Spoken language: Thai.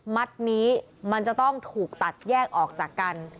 มัดนี้มันจะต้องถูกตัดแยกออกจากกัน